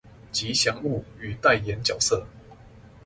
吉祥物與代言角色